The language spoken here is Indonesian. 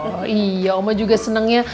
oh iya oma juga senang ya